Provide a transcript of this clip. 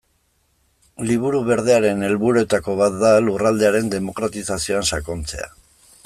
Liburu Berdearen helburuetako bat da lurraldearen demokratizazioan sakontzea.